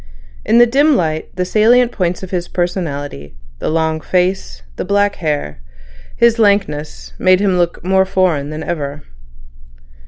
In the dim light, the salient points of his personality, the long face, the black hair, his lankness, made him look more foreign than ever.